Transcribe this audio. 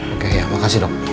oke ya makasih dok